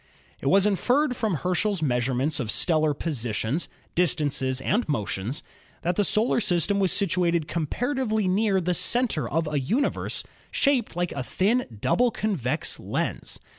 It was inferred from Herschel's measurements of stellar positions, distances and motions that the solar system was situated comparatively near the center of a universe shaped like a thin, double convex lens.